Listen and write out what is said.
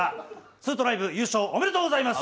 ツートライブ優勝おめでとうございます。